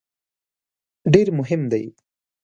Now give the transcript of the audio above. ډېر مهم دی.